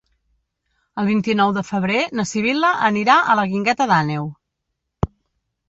El vint-i-nou de febrer na Sibil·la anirà a la Guingueta d'Àneu.